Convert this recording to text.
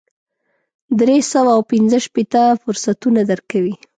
درې سوه او پنځه شپېته فرصتونه درکوي.